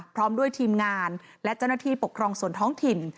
พร้อมด้วยทีมงานและเจ้าหน้าที่ปกครองส่วนท้องถิ่น